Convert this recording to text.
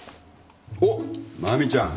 おっ真実ちゃん。